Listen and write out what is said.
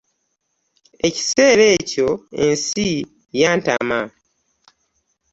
Ekiseera ekyo ensi yantama.